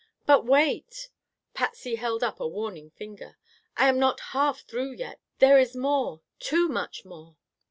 "But wait!" Patsy held up a warning finger, "I am not half through yet. There is more. Too much more!"